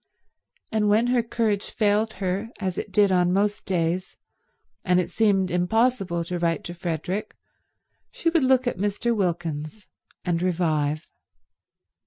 And when her courage failed her, as it did on most days, and it seemed impossible to write to Frederick, she would look at Mr. Wilkins and revive.